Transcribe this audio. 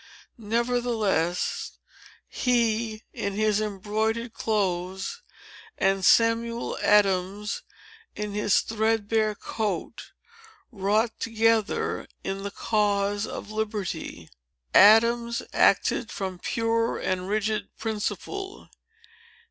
Nevertheless, he, in his embroidered clothes, and Samuel Adams in his threadbare coat, wrought together in the cause of liberty. Adams acted from pure and rigid principle.